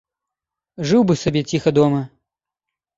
Жыў бы сабе ціха дома.